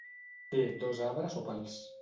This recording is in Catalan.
Té dos arbres o pals.